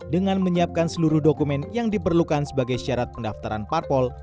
dengan menyiapkan seluruh dokumen yang diperlukan sebagai syarat pendaftaran parpol